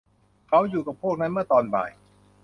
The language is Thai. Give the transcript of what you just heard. เขาอยู่กับพวกนั้นเมื่อตอนบ่าย